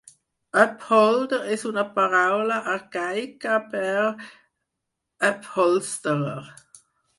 "Upholder" és una paraula arcaica per "upholsterer".